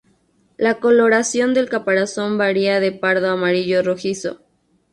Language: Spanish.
La coloración del caparazón varía de pardo a amarillo rojizo.